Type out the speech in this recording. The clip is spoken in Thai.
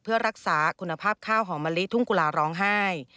เพื่อรักษาคุณภาพข้าวหอมมะลิทุ่งกุลาร้องไห้